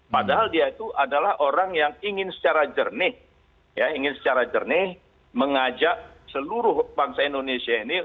padahal dia itu adalah orang yang ingin secara jernih ingin secara jernih mengajak seluruh bangsa indonesia ini